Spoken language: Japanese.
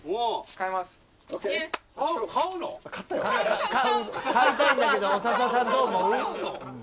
「買いたいんだけど長田さんどう思う？」。